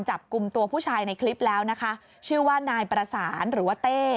จับกลุ่มตัวผู้ชายในคลิปแล้วนะคะชื่อว่านายประสานหรือว่าเต้